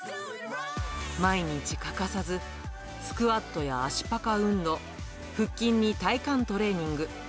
毎日欠かさず、スクワットや足パカ運動、腹筋に体幹トレーニング。